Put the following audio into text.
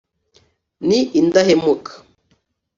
ni indahemuka